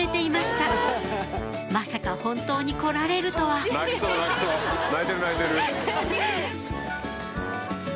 たまさか本当に来られるとは泣きそう泣きそう泣いてる泣いてる。